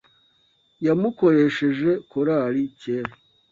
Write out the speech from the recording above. yamukoresheje - korali kera. ”